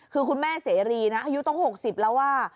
ดูแสรีนะอายุต้น๖๐แล้วว่า